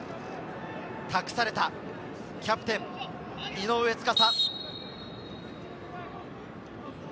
託された、キャプテン・井上斗嵩。